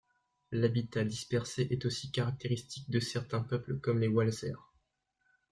L'habitat dispersé est aussi caractéristique de certains peuples comme les Walser.